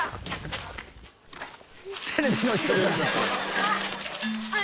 「テレビの人だ」。